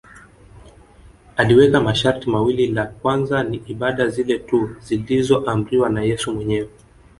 Aliweka masharti mawili la kwanza ni ibada zile tu zilizoamriwa na Yesu mwenyewe